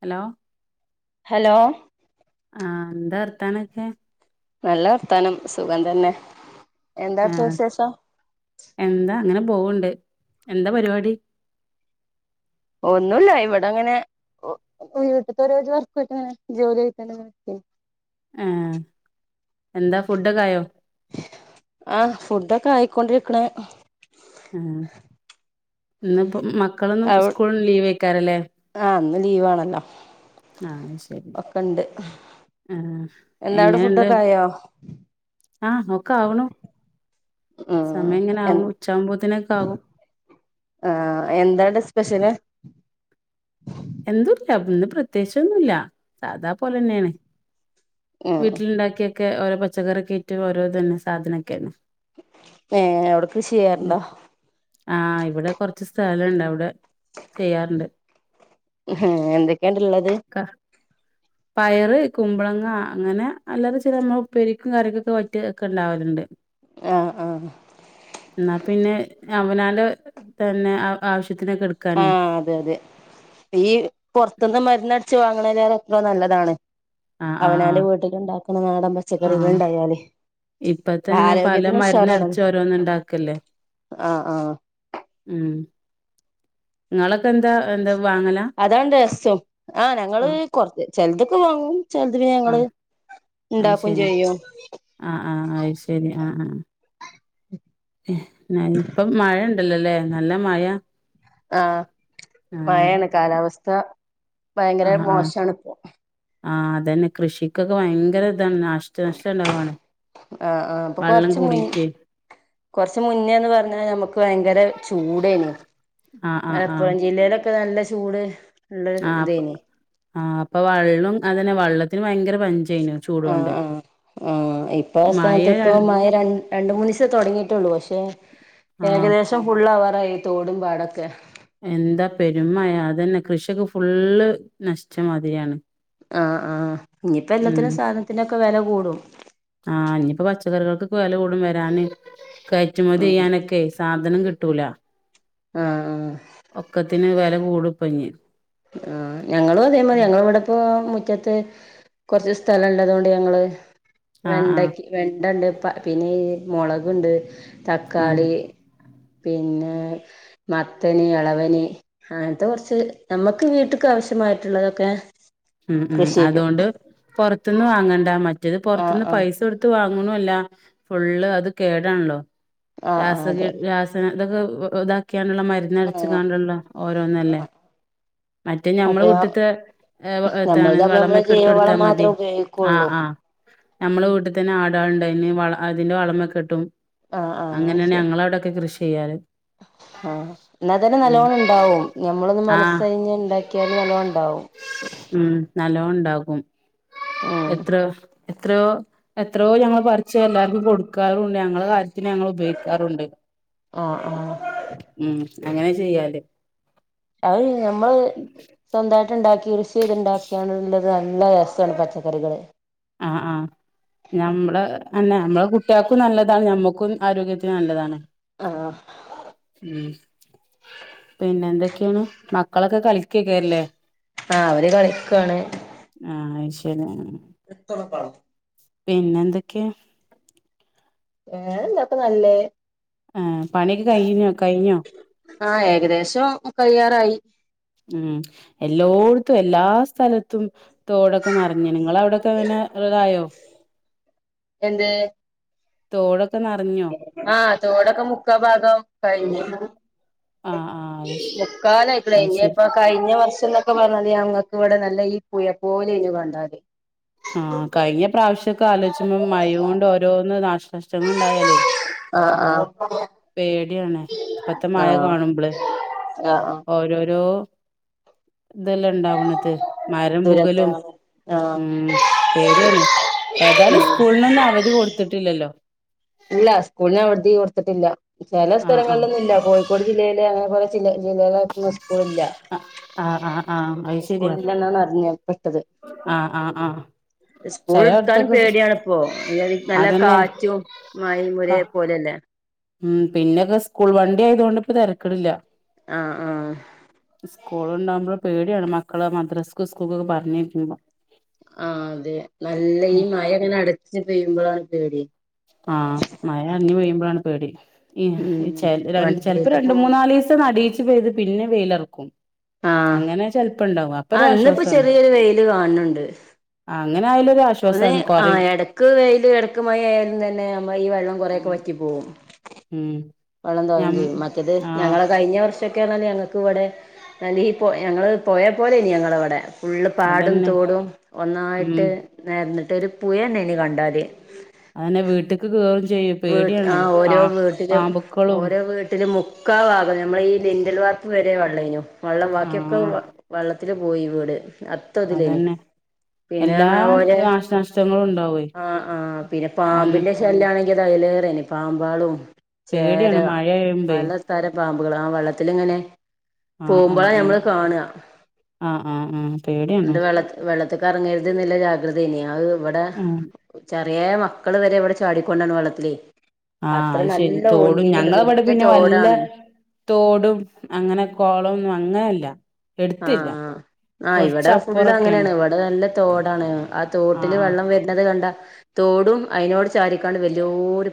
Hello hello ആ എന്താ വർത്താനൊക്കെ നല്ല വർത്താനം സുഖം തന്നെ എന്താ അവിടുത്തെ ഏഹ് വിശേഷം എന്താ അങ്ങനെ പോവ്ണ്ട് എന്താ പരിപാടി ഒന്നൂല്ല ഇവിടെങ്ങനെ വീട്ട്ത്തൊരോ ജോ വർക്കേറ്റങ്ങനെ ജോലി ആയിത്തന്നെ ഇങ്ങനെ നിക്ക്ണ്. ഏഹ് എന്താ ഫുഡൊക്കായോ? കൊണ്ടിരിക്ക്‌ണ്. ആഹ് ഇന്ന് ഇപ്പം മക്കളൊന്നും അവി സ്കൂള് ലീവേക്കാരല്ലേ? ആഹ് ഇന്ന് ലീവാണല്ലോ ആഹ് ശരി ആഹ് എന്താ അവിടെ എങ്ങനെണ്ട് ഫുഡൊക്കെ ആയോ ആ ഒക്കെ ആവുണു സമയം ഇങ്ങനെ ഉം ആവുണു ഉച്ചാവുമ്പോത്തിന് ആകും. ആഹ് എന്താണ്ടെ സ്പെഷ്യല് എന്തൂല്ല ഇന്ന് പ്രത്യേയിച്ച് ഒന്നൂല്ലാ. സാദാ പോലെന്നേണ്. ഉം വീട്ട്ല്ണ്ടാക്കിയ ക്കെ ഓരോ പച്ചക്കറ്‌യക്കേറ്റ് ഓരോതന്നെ സാധനക്കേന്നു. ഏ ഔടെ കൃഷി ചെയ്യാറ്ണ്ടോ? ആഹ് ഇവിടെ കൊറച്ച് സ്ഥലണ്ട്, അവിടെ ചെയ്യാറ്ണ്ട്. എന്തൊക്കെയാണ്ട്ള്ളത്? പയറ്, കുമ്പളങ്ങ അങ്ങനെ അല്ലറ ചില ന്നാ ഉപ്പേരിക്കും കറികൊക്കെ പറ്റിയെ ക്കെ ഇ ണ്ടാവല്ണ്ട്. ആഹ ആഹ ന്നാ പിന്നെ അവനാന്റെ തന്നെ അ ആവശ്യ ആഹ അതെ അതെ ഈ പൊർത്ത്ന്ന് മരുന്നടി ടിച്ചു വാങ്ങ്ണ്ലെറെ എത്രോ നല്ലതാണ്. ആഹ് ആഹ് ഔനാന്റെ ആഹ് വീട്ടില് ഇണ്ടാക്കുന്ന നാടൻ പച്ചക്കറികൾ ആഹ് ഇണ്ടായാല് ഇപ്പ തന്നെ പല ആരോഗ്യത്തിന് ഉഷാറാണ്. മരുന്നടിച്ച് ഓരോന്ന് ഉണ്ടാക്കല്ലേ ആഹ ആഹ ഇങ്ങളൊക്കെ എന്താ എന്താ വാങ്ങലാ അതാണ് രസും ആഹ് ഞങ്ങള് കൊർ ചെൽതൊക്കെ വാങ്ങും. ചെൽത് പിന്നെ ഞങ്ങള് ആഹ് അത് ഇണ്ടാക്കും ശരി ചെയ്യും. അ ആ ഇപ്പം മഴ ഇ ല്ലലെ നല്ല മഴ ആ ആഹ് മഴാണ് കാലാവസ്ഥ ഭയങ്കര മോശാണ് പ്പോ. അ അതന്നെ കൃഷിക്ക് ഒക്കെ വ യങ്കര അഹ് അഹ് ഇപ്പൊ വെള്ളം കൊറ്ച്ച് മുൻ കൂടിട്ടേ കൊറ്ച്ചു മുന്നേ ന്ന് പറ്ഞ്ഞാ ഞമക്ക് ഭയങ്കര ചൂ പെ ആഹ് ആഹ് നല്ല ചൂട് ഉള്ള ആ അപ്പോ ഇതേനി ആ അപ്പോ വള്ളും അതന്നെ വള്ള ത്തിന് ഭയങ്കര പഞ്ചേനു ആഹ് ചൂടോണ്ട് ആഹ് ആഹ് ഇപ്പൊ ആ മഴ ര സ്ഥാനത്തിപ്പോ രണ്ടു മൂന്നു ദിവസം തുടങ്ങിയിട്ടേള്ളൂ പക്ഷേ ആഹ് ഏകദേശം ഫുള്ളവർ ന്തായി തോടും പാടൊക്കെ? എന്താ പെരും മഴ അതെന്നെ കൃഷ്യൊക്കെ ഫുള്ള് നശ് ച്ച മതിര്യാണ്. ആഹ് ആഹ് ഇഞ്പ്പോ എല്ലാത്തിനും സാധൻത്തിനൊ ക്കെ വെല കൂടും. ആഹ് ഇഞ്‌പ്പം പച്ചക്കറികൾക്കൊക്കെ വെല കൂടും വരാന് കയറ്റു ഉം മതിയാനൊക്കെ സാധനം കി ട്ടൂല ആഹ് ആഹ് ഒക്കത്തിന് വെല കൂടു പ്പഞ് അഹ് ഞങ്ങളും അതേമാതിരി ഞങ്ങളെവടെ പ്പൊ മുറ്റത്ത് കൊർച്ച് സ്ഥലണ്ട് അതോണ്ട് ഞങ്ങൾ ആഹ് ആഹ് വെണ്ടയ്ക്ക വേണ്ട ണ്ട് പ പിന്നെയ്യ് മുളക്ണ്ട് ആഹ് തക്കാളി പിന്നെ മത്തൻ, എളവന് അങ്ങാൻതെ കൊർച്ച് നമ്മക്ക് വീട്ട്ക്കാവശ്യമായിട്ട്ള്ളെതൊക്കെ ഉം ഉം അതോണ്ട് പോർ ത്ത്ന്ന് വാങ്ങണ്ട മ മറ്റേത് ആഹ് പുറത്തുന്ന് ആഹ് പൈസ കൊടുത്തു വാങ്ങണു ഇല്ല ഫുള്ള് അത് കേടാണല്ലോ ആഹ് ആഹ് രാസകീ അതെ രാസന ഇതൊക്കെ വ് ഇതാക്കി ക്കാനെള്ള ആഹ് മരുന്നടിച്ചങ്ങാണ്ടെള്ള ഓരോന്നല്ലേ ആഹ് മറ്റേ ഞമ്മടെ വീട്ടിത്തെ ഞമ്മളതാവുമ്പ ഞമ്മള് ജൈവവളം മാത്രേ ഉപയോഗിക്കൊള്ളു. ഞമ്മടെ വീട്ടി തന്നേ ആടാൾലിണ്ട് അയിന് വളം ഇതിന്റെ വളമൊക്കെ കിട്ടും. ആഹ് ആഹ് അങ്ങനേണ് ശരി ഞങ്ങളവിടക്കെ കൃഷി ചെയ്യാല് ആഹ് എന്ന തന്നെ നല്ലോണം ഇണ്ടാവും. ഞമ്മളൊന്ന് മനസ്സറിഞ്ഞ് ഇണ്ടാക്കിയാല് നല്ലോണം ഇണ്ടാവും. ഇം നല്ലോം ഇണ്ടാകും ഉം എത്ര വർശ് എത്രോ എത്രോ ഞങ്ങൾ പറിച്ച് എല്ലാര്ക്കും കൊടുക്കാറുണ്ട് ഞങ്ങളെ കാര്യത്തിന് ഞങ്ങള് ഉപയോഗിക്കാറുണ്ട് ആഹ് ആഹ് ഉം അങ്ങനെ ചെയ്യാത് അഹ് ഞമ്മള് സ്വന്തായിട്ട് ഇണ്ടാക്കി ചെയ്ത് ഇണ്ടാക്ക്യാണ്ട് [unintelligible] ഇത് നല്ല രസണ്ട് പച്ചക്കറികള് അഹ് അഹ് ഞമ്മളെ എന്നെ ഞമ്ല കുട്ട്യേ ഇത് നല്ലതാണ് നമ്മക്കും ആരോഗ്യത്തിന് നല്ലതാണ് ആഹ് ഉം പിന്നെന്തൊക്കേണ് മക്കളൊക്കെ കളിക് ക്കേക്കേറ് ല്ലെ ആ അവര് കളികണ് പിന്നണ് എത്തറ പാ പിന്നെതൊക്കെയാ വേറെ എന്താപ്പോ നല്ലത് ആ പണി ഒക്കെ കഴിഞ്ഞോ കഴിഞ്ഞോ ആ ഏകദേശം കയ്യാറായി ഉം എല്ലോടത്തും എല്ലാ സ് സ്ഥലത്തും തോടൊക്കെ നറഞ്ഞ് നിങ്ങളെ അവിടൊക്കെ പിന്നെ ഇങ്ങനയൊ തോടൊ ആ തോടൊക്കെ മുക്കാ ഭാഗം കഴിഞ്ഞു ആഹ് ആഹ് മുക്കാലയിക്കണ് അത് ഇനി ശരി അപ്പകഴിഞ്ഞ വർഷം തോ ഒക്കെ പറഞ്ഞാല് ഞങ്ങക്ക് ഇവിടെ നല്ല ഈ പുഴ പോലെഇഞ്ഞ് കണ്ടാൽ ആ കഴിഞ്ഞ പ്രാവശ്യക്കെ ആലോചിച്ചമ്പം മഴ കൊണ്ട് ഓരോന്ന് നാഷ് നഷ്ടങ്ങൾ ഉണ്ടായാലേ ആ ആ പേടിയാണ് പ്പത്തെ മഴ ആഹ് ആഹ് കാണുമ്പളെ ആഹ് ഓരോരോ ഇതെല്ലാം ഇണ്ടാവു ഓണത്ത് മരം പ്കലും ദുരന്തമാണ് ആഹ് ഉം പേടിയാണ് ഏതായാലും ഉം സ്കൂളിനൊന്നും അവധി കൊട്ത്തിട്ടില്ലല്ലോ ഇല്ല സ്കൂളിന് അവധി കൊടുത്തട്ടില്ല. ചെല ആഹ് ആഹ് സ്ഥലങ്ങളിലൊന്നും ഇല്ല. കോഴിക്കോട് ജില്ലയില് അങ്ങനെ കൊറേ [unintelligible] അ ആഹ് ആഹ് ആഹ് അത് ശരിയാ സ്കൂളില്ല എന്നാണ് അറിഞ്ഞപ്പെട്ടത് ആഹ് ആഹ് ആഹ് സ്കൂള് വിട്ടാലും ചെലയിടത്തൊക്കെ പേടിയണിപ്പോ നല്ല അതന്നെ കാറ്റും മഴയും ഒരേപോലല്ലേ ഉം പിന്നെയൊക്കെ സ്കൂൾ വണ്ടി ആയതുകൊണ്ട് ഇപ്പ തരക്കേടില്ല ആഹ് ആഹ് സ്കൂളുണ്ടാകുമ്പോ പേടിയാണ് മക്കള് മദ്രസ സ്കൂള്ക്കൊക്കെ പറഞ്ഞയക്കുമ്പോ ആഹ് അതെ നല്ല ഈ മഴ അങ്ങനെ അടച്ച് പെയ് മ്പളാണ് പേടി ആഹ് മഴ അയഞ്ഞ് പെയ്യുമ്പളാണ് പേടി ഉം ഈ ചെല ചെലപ്പോ വണ്ടിയില് രണ്ട് പോകുമ്പോ മൂന്നാല് ദിവസം അ ഇത് പിന്നെ വെയിലിറക്കും ആഹ് അങ്ങനെ ചെലപ്പുണ്ടാവാം ആഹ് ഇന്നിപ്പോ ചെറിയൊരു വെയില് കാണ് ണ്ട് അങ്ങനെ ആയാലും ഒന്നേ ഒരാശ്വാസാണ് ആഹ് കൊറയും എടക്ക് വെയിലും എടക്ക് മയ ആയിരിന്നാലും ഈ വെള്ളം കൊറേക്കെ വറ്റി പോവും ഉം വെള്ളം തോരും ഞം ചെയ്യും മറ്റേത് ആഹ് ഞങ്ങള് കഴിഞ്ഞ വർഷം കേറാന് ഞങ്ങക്ക് വടെ അലീ പൊഴ ഞങ്ങള് പോഴെ പോലേനി ഞങ്ങളവടെ ഫുള്ള് പാടും അതന്നെ തോടും ഉം ഒന്നായിട്ട് നേർന്ന് ട്ട് ര് പുഴന്നേനി കണ്ടാല് അഅന്നെ വീട്ട്ക്ക് കേ വീട്ട് ആഹ് ഓരോ വീട്ട്ലും പാമ്പുക്കളും ഓരോ വീട്ട്ലും മുക്കാ ഭാഗ ഞമ്മളെ ഈ ലിന്റൽ വാർപ്പ് വരെ വള്ളേനു വള്ളം ബാക്കിയൊക്കെ ആഹ് വ് വള്ള ത്തില് പോയി വീട് അത്തതിലേനി അതന്നെ എല്ലാ പിന്നേണാ ഓലെ നാശനഷ്ടങ്ങളും ഉണ്ടാവേ ആഹ് ആഹ് പിന്നെ ഒ പാമ്പിന്റെ ശല്യാണെങ്കി എതയ് ലേറേനി പാമ്പാളും ചേര പേടിയാണ് മഴയായുമ്പേ പലതരം പാമ്പുകള് ആഹ് വെള്ളത്തിലിങ്ങനെ ആഹ് പോകുമ്പളാ ആഹ് ഞമ്മള് ആഹ് കാണാ ആഹ് ആഹ് ആഹ് പേടിയാണ്. ക്ക് ഇറങ്ങരുതിന്നിള്ള ജാഗ്രതയല്ലേ അത് ഇവടെ ആഹ് ചേ [unintelligible] മക്കള് വരെ ഇവടെ ചാടി കൊണ്ടാണ് വെള്ളത്തിലെ ആഹ് അത് ശെരി തോടും ഞങ്ങളെവിടെ വല്യ പിന്നെ വെല്ല തോടാണ് തോടും അങ്ങനെ കൊളോന്നും അങ്ങനെ ഇല്ല ആഹ് ആ ആ ഇവടെ ഫുള്ള് അപ്പുറൊക്കെയാണ് അങ്ങനെയാണ് ഇവടെ നല്ല തോടാണ് ആ ആഹ് തോട്ടില് ആഹ് വെള്ളം വരണത് കണ്ടാ തോടും അതിനോട് ചാരിക്കാണ്ട് വല്ല്യോരു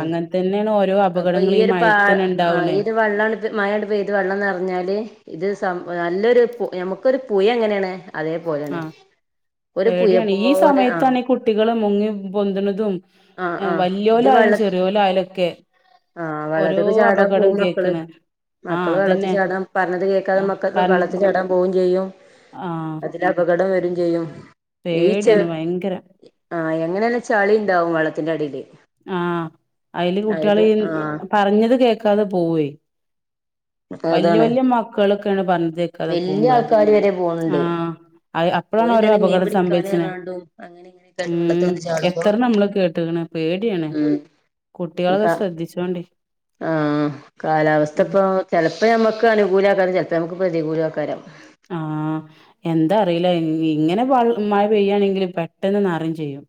അങ്ങൻതന്നെയാണ് ഓ ആഹ് അപ്പ ഈ ഒരു പാ ആ ഈ ഒരു വെള്ളാണ് ഇപ്പൊ മഴിണ്ട് പെയ്തു വെള്ളം നെറഞ്ഞാല് ഇതൊരു സം നല്ലൊരു [unintelligible] ഞമക്കൊരു പുയ എങ്ങനെയാണ് അതേപോലെയാണ് ആഹ് ഒരു പുഴ പേടിയാണ് ഈ പോലെ ആ സമയത്താണ് ഈ കുട്ടികള് മുങ്ങി പൊന്തണതും വലിയോലായാലും ചെറിയോലായാലും ഒക്കെ ആഹ് ഓരോ വെള്ളത്തിക്ക് ചാടാ അപകടം പോവും മക്കള്, കേക്കണ് ആഹ് മക്കള് വെള്ളത്തി അതന്നെ ചാടാൻ പറഞ്ഞത് കേക്കാതെ ആഹ് [unintelligible] പറഞ്ഞ വെള്ളത്തി ചാടാൻ പോവും ചെയ്യും, ആഹ് [unintelligible] അപകടം വെരും ചെയ്യും പേടിയാണ് ഭയങ്കര ഇങ്ങനന്നെ ചളിണ്ടാവും വെള്ളത്തിൻറെ അടില്. ആഹ് അയില് കുട്ടികള് ആ പറഞ്ഞത് കേക്കാതെ പോവേ വലിയ അതാണ് വലിയ മക്കളൊക്കെയാണ് പറഞ്ഞത് കേക്കാതെ വല്യ പോവുമ്പഴേ ആൾക്കാര് വരെ പോണുണ്ട് ആഹ് അയ് അപ്പഴാണ് ഓല് ഓരോ തന്നെ മീൻ അപകടം പിടിക്കാന് സംഭവിച്ചിണ്, പറഞ്ഞാണ്ടും അങ്ങനെ ഇങ്ങനെയൊക്കെ ആയിട്ട് വെള്ളത്തി ഉം വന്ന് ചാടുമ്പോ എത്ര നമ്മള് കേട്ടിക്കിണ് ഉം [unintelligible] ശ്രദ്ധിച്ചോണ്ടി ആഹ് കാലാവസ്ഥ ഉം ഇപ്പൊ ഇപ്പൊ ഞമ്മക്കാണ് [unintelligible] നമുക്ക് പ്രതികൂലാക്കാരം ആഹ് എന്താ അറിയില ഇ ഇങ്ങനെ [unintelligible] മഴ പെയ്യാണെങ്കില് പെട്ടെന്ന് നറയും ചെയ്യും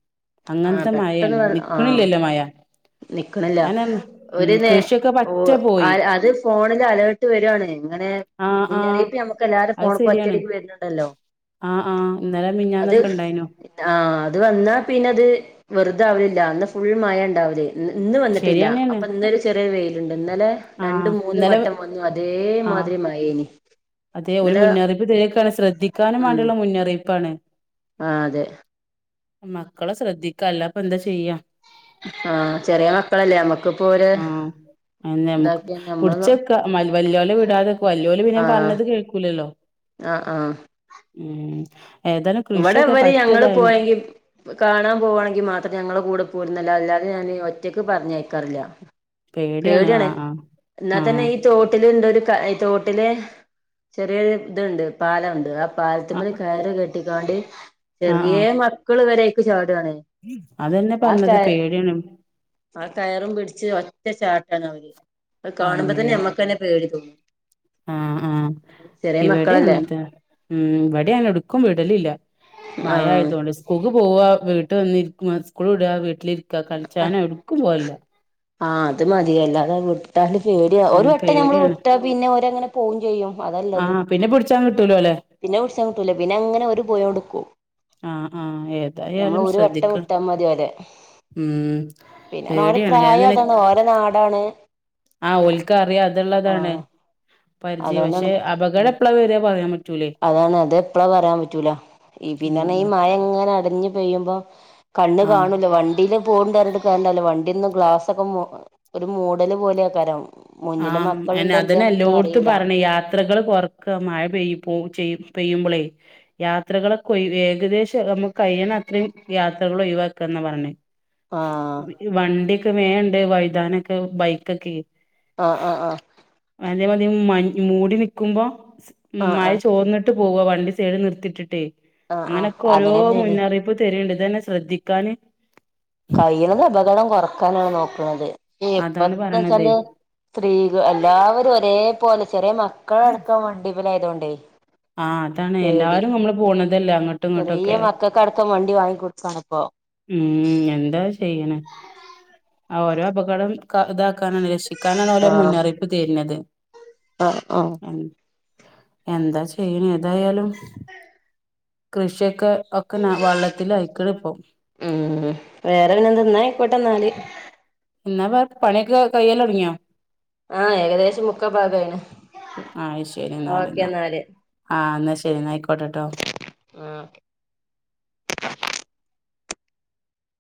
ആഹ് അങ്ങൻത്തെ മയാണ് നിക്ക്ണില്ലല്ലോ മയ നി ക്കണില്ല ഒര് നേ ഒ പറ്റെ ആ പോയി ഒര് ഫോണില് അലെർട് വരാണ് ഇങ്ങനെ ആഹ് ആഹ് മുന്നറിയിപ്പ് ഞമ്മക്ക് എല്ലാർടെ അത് ഫോണിക്കും ശരിയാണ് ഒറ്റടിക്ക് വരണുണ്ടല്ലോ, ആഹ് ആഹ് ഇന്നലെ അത് മിഞ്ഞാന്നൊക്കെ ഇണ്ടായിനു പിന്നാ അത് വന്നാപ്പിന്നെ അത് വെറുതെ ആവലില്ല അന്ന് ഫുൾ മഴയാ ഇണ്ടാവാ ഇ ഇന്ന് വന്നിട്ടില്ല ശരിയന്നെയാണ് അപ്പ ഇന്നൊരു ചെറിയ വെയിലിണ്ട് ഇന്നലെ രണ്ട് ആഹ് മൂന്ന് ഇന്നലെ വട്ടം വന്നു അതേ മാതിരി മഴേ [unintelligible] അതേ ഓല് മുന്നറിയിപ്പ് തരേക്കാണ് ശ്രദ്ധിക്കാനും ഉം വേണ്ടിള്ള മുന്നറിയിപ്പാണ്. ആഹ് അതെ. മക്കള ശ്രദ്ധിക്കാ അല്ലാപ്പ എന്താ ചെയ്യാ. ആഹ് ചെറിയ മക്കളല്ലേ ഞമ ആഹ് അന്നെ നമുക്ക് നമ്മള് കുടിച്ചെക്ക വല്യോലെ വിടാതെ വല്യോല് പിന്നൻ ആഹ് പറഞ്ഞത് കേൾക്കൂലല്ലോ ആഹ് ആഹ് ഉം ഏതായാലും ഇവിടെ കൃഷിയൊക്കെ ഇവര് ഞങ്ങള് പറ്റിയതാണ് പോയെങ്കി കാണാൻ പോവാണെങ്കി മാത്രം ഞങ്ങള കൂടെ പോയിരുന്നല്ലോ അല്ലാ ഞാന് ഒറ്റയ്ക്ക് പറഞ്ഞയക്കാറില്ല. പേടിയാണ് പേടിയണ് ആഹ് എന്നാ തന്നെ ആഹ് ഈ തോട്ടില് ഇന്ത ഒര് ഈ തോട്ടിലെ ചെറിയ ഇതുണ്ട് പാലംണ്ട് ആ പാലത്ത് ആഹ് മ്മേ കയറ് കെ ട്ട് കാട് ആഹ് ആഹ് ചെറിയെ ആഹ് മക്കള് വരെ പി ക്കാണ് അതന്നെ ആ ക പറഞ്ഞത് പേടിയാണ് ആ കയറും പിടിച്ച് റ്റ ചാട്ടാണ് അവര് അത് കാണുമ്പോ തന്നെ ഞമ്മക്ക്ന്നെ പേടി തോന്നും. ആഹ ആഹ ചെറിയ ഇവിടെ മക്കളല്ലേ അങ്ങനത്തെ ഉം ഇവിടെ അടു ക്കും വിടലില്ല മയ ആഹ് ആയതുകൊണ്ട് സ്കൂ പോകുവാ വീട്ട് വന്നിരിക്കും മസ് സ്കുളു വിട വീട്ടിലിരിക്ക ക്ക കളിച്ചാന എടുക്കും പോവലില്ല. ആഹ് അത് മതിയല്ലാതെ വിട്ടാല് പേടിയ ഒരു ഉം വട്ടം ഞമ്മള് പേടിയാണ് വിട്ട പിന്നെ ഒരങ്ങനെ പോകും ചെയ്യും അതല്ലത് ആഹ് പിന്നെ പിടിച്ചാൻ കിട്ടൂലോ അല്ലേ പിന്നെ വിളിച്ചം കിട്ടൂല പിന്നെങ്ങനെ ഒര് പോയടുക്കൂ ആഹ് ആഹ് നമ്മള് ഏതായാലും ഒരു വട്ടം ശ്രദ്ധിക്ക് വിട്ടാ മതി ഒരേ ഉം പിന്ന ഓര പേടിയാണ് ഞാൻ പ്രായം ഇങ്ങനെ അതാണ് ഓര നാടാണ്. ഏ. ആഹ് ഒൽക്കറിയാം അത്ള്ളതാണ്. പരിചയം അതുകൊണ്ടാണ് പക്ഷെ ഉം അപകടപ്പെളാ വരുവാ പോ പറയാമെ അതാണ് അത എപ്പഴാ പറയാൻ പറ്റൂല ഈ പിന്നണ ഈ ഉം മഴ എങ്ങനെ അടഞ്ഞ പെയ്യുമ്പോ കണ്ണ് ആഹ് കാണല വണ്ടിയിലും പോണ്ട വര കണ്ടല്ലോ വണ്ടിന്നന്ന് ഗ്ലാസ്ക്കെ ഒരു മൂടല് പോലെയ കരം ആ എന്നെ അതന്നെ എല്ലോടത്തും അറിയില്ല പറഞ്ഞ യാത്രകൾ കൊറക്ക മഴ പെയ്യും പോ ചെയ പെയ്യുമ്പോളേ യാത്രകളൊക്കെ ഒ ഏകദേശം നമ്മുക്ക് കഴിയണം അത്രയും യാത്രകൾ ഒഴിവാക്കുന്ന പറഞ്ഞേ. ആഹ് വണ്ടി വേണ്ട് വൈതാനൊക്കെ ബൈക്കൊക്കെ ആ ആ ആ അതേ മതിം മഞ്ഞ് മൂടി നിക്കുമ്പോ ഉ ആഹ് മഴ ആഹ് ചോർന്നിട്ട് പോവ വണ്ടി ചേട് നിർത്തിട്ടിട്ടേ ആഹ് ആഹ് അങ്ങനെയൊക്കെ ഓരോ അങ്ങനെന്നെണ് മുന്നറിയിപ്പ് തരീണ്ട് അ തന്നെ ശ്രദ്ധിക്കാന് കയൽത് അപകടം കുറക്കാനാണ് നോക്കുന്നത് അതാണ് എപ്പന്ന് പറയണത് വെച്ചാല് സ്ത്രീകൾ എല്ലാവരും ഒരേ പോലെ ചെറിയ മക്കളടക്കം വണ്ടിമെല ആയതുകൊണ്ട് പേ ആഹ അതാണ് എല്ലാരും നമ്മള് പോണതല്ലേ അങ്ങോട്ടും ഇങ്ങോട്ടുമൊക്കെ ചെറിയ ഉ മക്കൾക്കടക്കം വണ്ടി വാങ്ങിക്കൊടുക്കാണ് ഇപ്പോ ഉം എന്താ ചെയ്യണ ആ ഓരോ അപകടം ഇത താണ് രക്ഷിക്കാനാണ് ഓലോ മുന്നറിയിപ്പ് തരുന്നത് ആ ആ എന്താ പിന്നെ ഏതായാലും കൃഷിയൊക്കെ ഒക്കെ ന വെള്ളത്തിലായിക്കണ് ഇപ്പം ഉ വേറെങ്ങന എന്ന ആയിക്കോട്ടെ എന്നാല് എന്നാ വ പണിയൊക്കെ കയ്യല്ല തുടങ്ങിയോ ആഹ് ഏകദേശം മുക്കാ ഭാഗായിണ് ആ ശരി എന്നാല ഓക്കെ എന്നാ എന്നാല് ആ എന്നാ ശരി എന്നാ ആയിക്കോട്ടെട്ടോ ആ